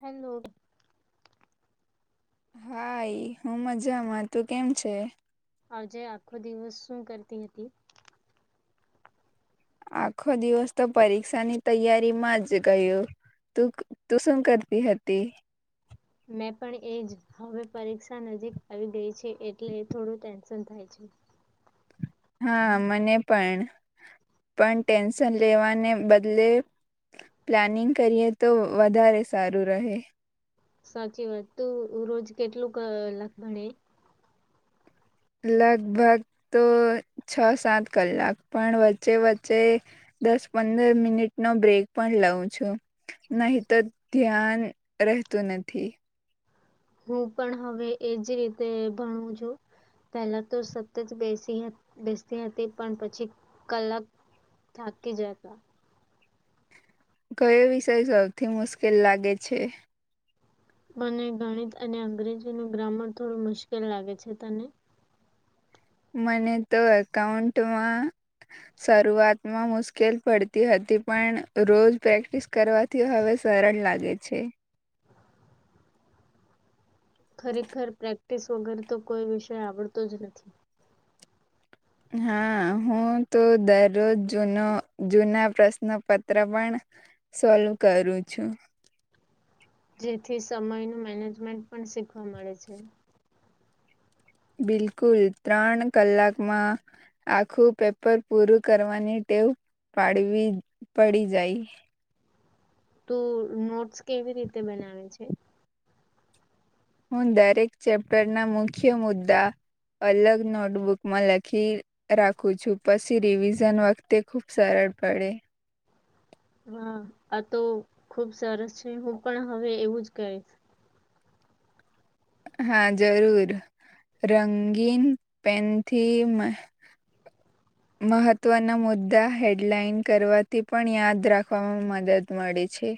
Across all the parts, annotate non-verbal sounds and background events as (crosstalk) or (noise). Hello hi હું મજામાં તું કેમ છે? આજે આખો દિવસ શું કરતી હતી? આખો દિવસ તો પરીક્ષાની તૈયારી માં જ ગયું. તું તું શું કરતી હતી હતી? મેં પણ એ જ હવે પરીક્ષા નજીક આવી ગઈ છે એટલે થોડું ટેન્શન થાય છે. (inaudible) હા મને પણ, પણ ટેન્શન લેવાને બદલે પ્લાનિંગ કરીએ તો વધારે સારું રહે. સાચી વાત તું રોજ કેટલું કલાક ભણેે? લગભગ તો છ સાત કલાક પણ વચ્ચે વચ્ચે દસ પંદર મિનિટ નો બ્રેક પણ લઉં છું. નહી તો ધ્યાન રહેતું નથી. હું પણ હવે એજ રીતે ભણું છું. પહેલા તો સતત બેસી બેસતી હતી પણ પછી કલાક થાકી જતા કયો વિષય સૌથી મુશ્કેલ લાગે છે? મને ગણિત અને અંગ્રેજી નુ ગ્રામર થોડું મુશ્કેલ લાગે છે, તને? મને તો એકાઉન્ટમાં શરૂઆતમાં મુશ્કેલ પડતી હતી પણ રોજ પ્રેક્ટિસ કરવા થી હવે સરળ લાગે છે. ખરેખર પ્રેક્ટિસ વગર તો કોઈ વિષય આવડતો જ નથી. હા હું તો દરરોજ જૂનો જૂના પ્રશ્નપત્ર પણ સોલ્વ કરું છું. જેથી સમય ન મેનેજમેન્ટ પણ શીખવા મળે છે. બિલકુલ ત્રણ કલાકમાં આખું પેપર પૂરું કરવાની ટેવ પાડવી પડી જાય. તો નોટ્સ કેવી રીતે બનાવે છે? હું દરેક ચેપ્ટર ના મુખ્ય મુદ્દા અલગ નોટબુકમાં લખી રાખું છું પછી રિવિઝન વખતે ખુબ સરળ પડે. હા આ તો ખુબ સરસ છે હું પણ હવે એવું જ કરીશ. હા જરૂર રંગીન પેનથી હ. મહત્વના મુદ્દા હેડલાઈન કરવાથી પણ યાદ રાખવામાં મદદ મળે છે.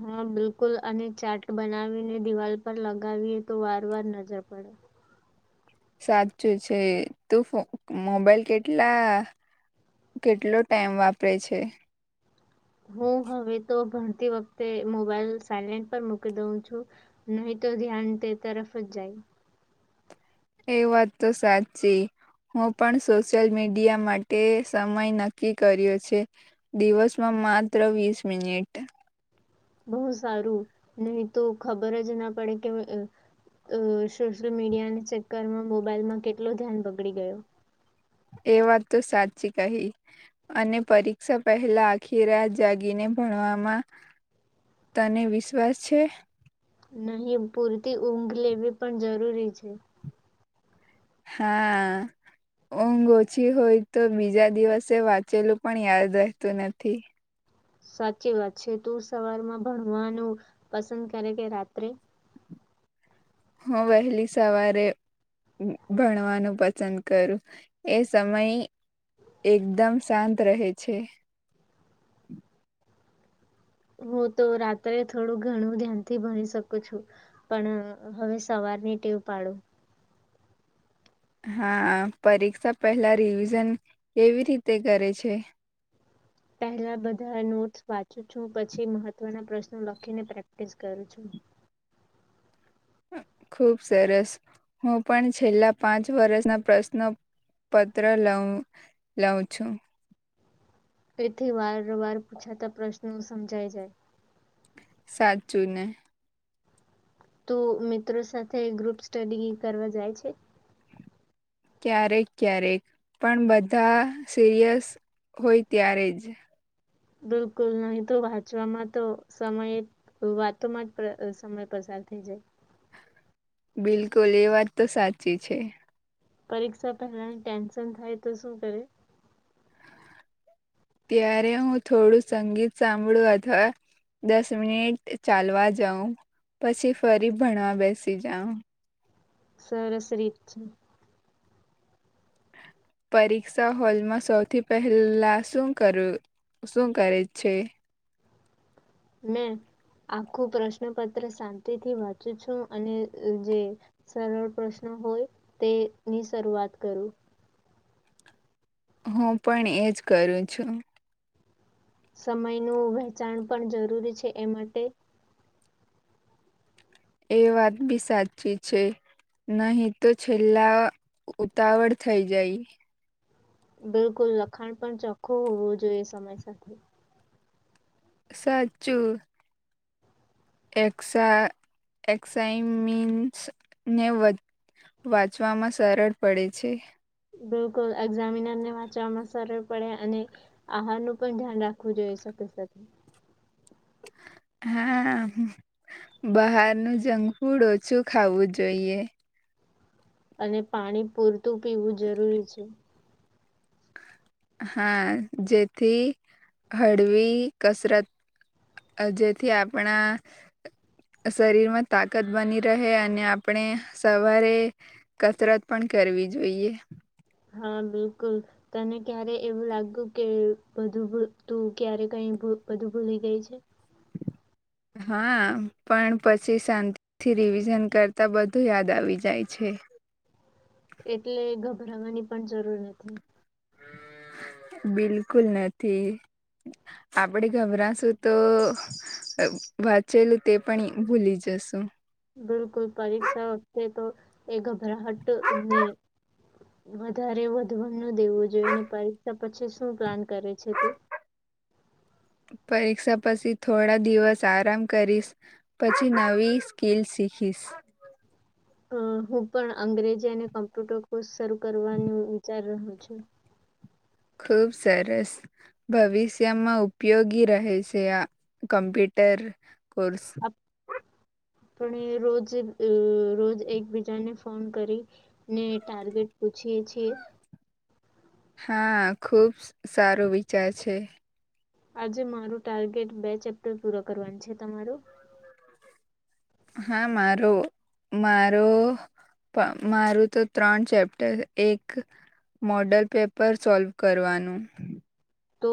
હા બિલકુલ અને ચાટ બનાવીને દિવાલ પર લગાવીએ તો વાર વાર નજર પડે. સાચું છે તું મોબાઈલ કેટલા કેટલો ટાઈમ વાપરે છે. હું હવે તો ભણતી વખતે મોબાઈલ સાયલેન્ટ પર મૂકી દઉં છું. નહી તો ધ્યાન તે તરફ જ જાય. એ વાત તો સાચી. હું પણ સોશિયલ મીડિયા માટે સમય નક્કી કર્યો છે. દિવસમાં માત્ર વીસ મિનિટ. બહુ સારું નહી તો ખબર જ ના પડે કે અ સોશિયલ મીડિયાના ચક્કરમાં મોબાઈલમાં કેટલો ધ્યાન પકડી ગયો. એ વાત તો સાચી કહી. અને પરીક્ષા પહેલા આખી રાત જાગીને ભણવામાં તને વિશ્વાસ છે. નહીં પૂરતી ઊંઘ લેવી પણ જરૂરી છે. હા. ઊંઘ ઓછી હોય તો બીજા દિવસે વાંચેલું પણ યાદ રહેતું નથી. સાચી વાત છે તું સવારમાં ભણવાનું પસંદ કરે કે રાત્રે. હું વહેલી સવારે ભણવાનું પસંદ કરું એ સમય એકદમ શાંત રહેે છે. હું તો રાત્રે થોડું ઘણું ધ્યાન થી ભણી શકું છું. પણ હવે સવારની ટેવ પાડો. હા પરીક્ષા પહેલા રિવિઝન કેવી રીતે કરે છે? પહેલા બધા નોટસ વાંચું છું પછી મહત્વના પ્રશ્નો લખીને પ્રેક્ટિસ કરું છું. ખુબ સરસ હું પણ છેલ્લા પાંચ વર્ષના પ્રશ્નો પત્ર લઉ લઉં છું. તેથી વારવાર પૂછાતા પ્રશ્નો સમજાય જાય. સાચું ને. તો મિત્રો સાથે ગ્રુપ સ્ટડી કરવા જાય છે. ક્યારેક ક્યારેક પણ બધા સિરિયસ હોય ત્યારે જ બિલકુલ નહી તો વાંચવામાં તો સમય વાતોમાં જ સમય પસાર થઈ જાય. બિલકુલ એ વાત તો સાચી છે. પરીક્ષા પહેલાની ટેન્શન થાય તો શું કરે? ત્યારે હું થોડું સંગીત સાંભળું અથવા દસ મિનિટ ચાલવા જાઉ પછી ફરી ભણવા બેસી જાઉ. સરસ રીત છે. પરીક્ષા હોલમાં સૌથી પહેલા શું કરું? શું કરે છે મેં આખું પ્રશ્નપત્ર શાંતિથી વાંચું છું અને જે સરળ પ્રશ્ન હોય તે ની શરૂઆત કરું હું પણ એજ કરું છું સમયનું વેચાણ પણ જરૂરી છે એ માટે એ વાત બી સાચી છે નહી તો છેલ્લા ઉતાવળ થઈ જાય બિલકુલ લખાણ પણ ચોખ્ખો હોવો જોઈએ સમય સાથે સાચું એસા એસઇમીન્સ ને વ વાંચવામાં સરળ પડે છે બિલકુલ એક્ઝામિનર ને વાંચવામાં સરળ પડે અને આહાર નું પણ ધ્યાન રાખવું જોઈએ સાથે સાથે હા બહારનું જંક ફૂડ ઓછું ખાવું જોઈએ અને પાણી પૂરતું પીવું જરૂરી છે હા જેથી હળવી કસરત જેથી આપણા શરીર માં તાકાત બની રહે અને આપણે સવારે કસરત પણ કરવી જોઈએ હા બિલકુલ તને ક્યારે એવું લાગ્યું કે બધું તું ક્યારે કઈ બધું ભૂલી ગઈ છે હા પણ પછી શાંતિ થી રિવિઝન કરતા બધું યાદ આવી જાય છે. એટલે ગભરાવાની પણ જરૂર નથી બિલકુલ નથી આપડે ગભરાશું તો વાંચેલું તે પણ ભૂલી જસુ બિલકુલ પરીક્ષા વખતે તો એ ઘબરાહટ ને વધારે વધવા ન દેવું જોઈએને પરીક્ષા પછી શું પ્લાન કરે છે તું? પરીક્ષા પછી થોડા દિવસ આરામ કરીશ પછી નવી સ્કીલ શીખીશ અ હું પણ અંગ્રેજી અને કોમ્પ્યુટર કોર્સ શરૂ કરવાનું વિચાર રહું છું. ખૂબ સરસ. ભવિષ્યમાં ઉપયોગી રહેશે આ કમ્પ્યુટર કોર્સ પણ રોજ અ રોજ એકબીજાને ફોન કરી ને ટાર્ગેટ પૂછીએ છીએ હા ખુબ સારો વિચાર છે આજે મારું ટાર્ગેટ બે ચેપ્ટર પૂરા કરવાનું છે, તમારું? હા મારું મારું પ મારું તો ત્રણ ચેપ્ટર એક મોડલ પેપર સોલ્વ કરવાનું તો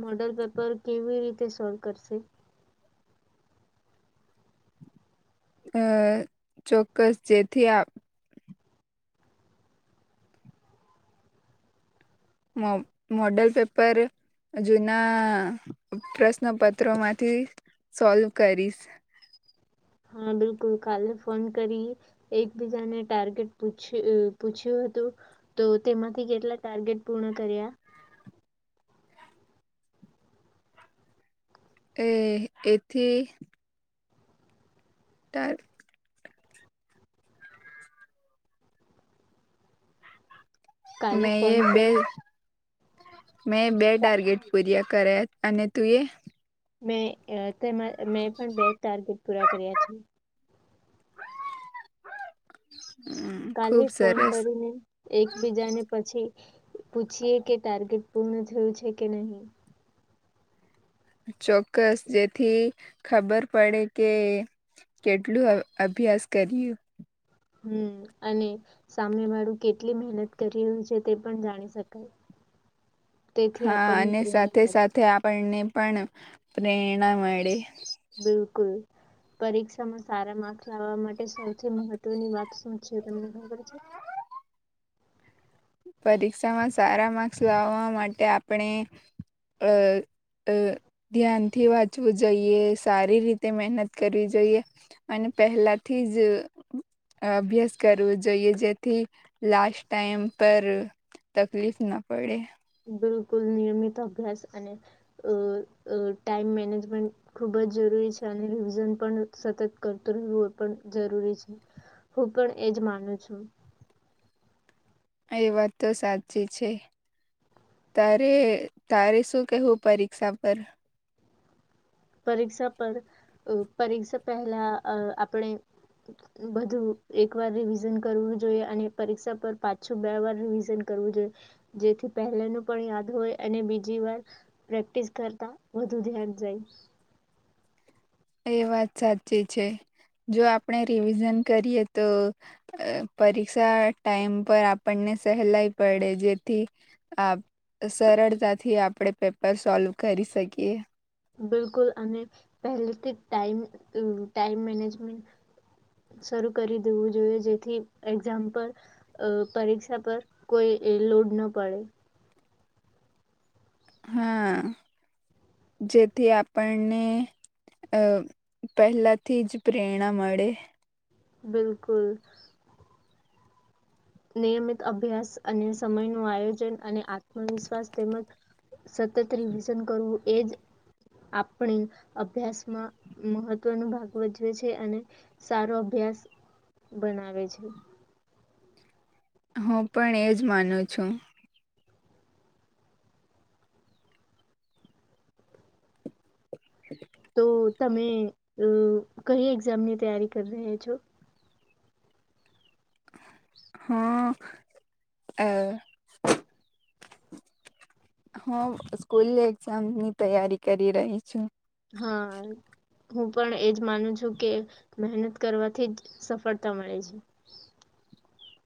મોડલ પેપર કેવી રીતે સોલ્વ કરશે? અ ચોક્કસ જેથી આપ મો મોડલ પેપર જુના પ્રશ્ન પત્રો માંથી સોલ્વ કરીશ હા બિલકુલ કાલ ફોન કરીએ એકબીજાને ટાર્ગેટ પૂછ્યું પૂછ્યું હતું તો તેમાંથી કેટલા ટાર્ગેટ પૂર્ણ કર્યા એ એથી તાર કાલે મે એ ફોન બે પર મેં બે ટાર્ગેટ પૂર્યા કર્યા, અને તું એ? મે અ તે મેં પણ બે ટાર્ગેટ પૂરા કર્યા છે. કાલે ખુબ ફોન સરસ કરીને એકબીજાને પછી પૂછીએ કે ટાર્ગેટ પૂર્ણ થયું છે કે નહીં. ચોક્કસ જેથી ખબર પડે કે કેટલું અ અભ્યાસ કરીયું. હમ્મ અને સામે વાળું કેટલી મહેનત કરી રહ્યું છે તે પણ જાણી શકાય. (inaudible) તેથી હા આપણને અને પ્રેરણા સાથે મળે સાથે આપણને પણ પ્રેરણા મળે. બિલકુલ. પરીક્ષામાં સારા માર્ક લાવવા માટે સૌથી મહત્વની વાત શુંછે તમને ખબર છે? પરીક્ષામાં સારા માર્ક્સ લાવવા માટે આપણે અ અ ધ્યાનથી વાંચવું જોઈએ સારી રીતે મહેનત કરવી જોઈએ. અને પહેલાથી જ અભ્યાસ કરવો જોઈએ જેથી લાસ્ટ ટાઈમ પર તકલીફ ના પડે. બિલકુલ નિયમિત અભ્યાસ અને ટાઈમ મેનેજમેન્ટ ખૂબ જ જરૂરી છે અને રિઝન પણ સતત કરતો રહેવું પણ જરૂરી છે. હું પણ એજ માનું છું. એ વાત તો સાચી છે. તારે તારે શું કેવું પરીક્ષા પર? પરીક્ષા પર પરીક્ષા પહેલા અ આપણે બધું એક વાર રિવિઝન કરવું જોઈએ અને પરીક્ષા પર પાંછ છું બે વાર રિવિઝન કરવું જોઈએ જેથી પહેલે ન પણ યાદ હોય અને બીજી વાર પ્રેક્ટિસ કરતા વધુ ધ્યાન જાય. એ વાત સાચી છે જો આપણે રિવિઝન કરીએ તો અ પરીક્ષા ટાઈમ પર આપણને સહેલાઈ પડે જેથી આપ સરળતાથી આપણે પેપર સોલ્વ કરી શકીએ. બિલકુલ અને પહેલેથી ટાઈમ ટાઈમ મેનેજમેન્ટ શરૂ કરી દેવું જોઈએ જેથી એક્ઝામ્પલ અ પરીક્ષા પર કોઈ લોડ ન પડે. હા જેથી આપણને અ પહેલાથી જ પ્રેરણા મળે. બિલકુલ. નિયમિત અભ્યાસ અને સમય ન આયોજન અને આત્મવિશ્વાસ તેમજ સતત રિવસન કરવું એજ આપણી અભ્યાસમાં મહત્વનો ભાગ વધજવે છે અને સારો અભ્યાસ બનાવે છે. હું પણ એજ માનું છું. હ. તો તમે અ કઈ એક્ઝામની તૈયારી કરી રહ્યા છો? હા એ હ સ્કૂલ એક્ઝામની તૈયારી કરી રહી છું. હા. હું પણ એજ માનું છું કે મહેનત કરવાથી જ સફળતા મળે છે.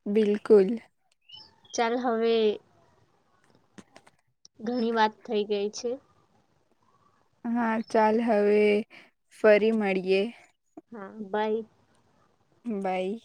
બિલકુલ. ચાલ હવે ઘણી વાત થઈ ગઈ છે. હા ચાલ હવે ફરી મળીએે. હા બાઈ મ બાઈ